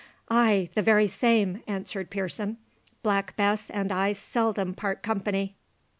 "Ay, the very same," answered Pearson; "Black Bess and I seldom part company.